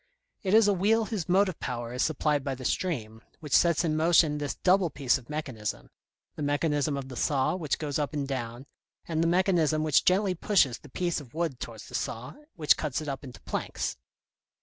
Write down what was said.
It is a wheel whose motive power is supplied by the stream, which sets in motion this double piece of mechanism, the mechanism of the saw which goes up and down, and the mechanism which gently pushes the piece of wood towards the saw, which cuts it up into planks.